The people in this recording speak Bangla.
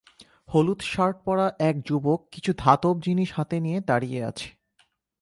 হলুদ শার্ট পরা এক যুবক কিছু ধাতব জিনিস হাতে নিয়ে দাঁড়িয়ে আছে।